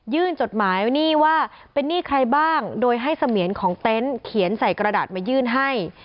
จดหมายหนี้ว่าเป็นหนี้ใครบ้างโดยให้เสมียนของเต็นต์เขียนใส่กระดาษมายื่นให้